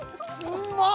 うまっ！